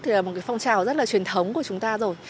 thì là một cái phong trào rất là truyền thống của chúng ta rồi